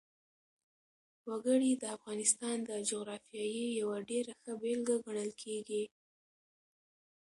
وګړي د افغانستان د جغرافیې یوه ډېره ښه بېلګه ګڼل کېږي.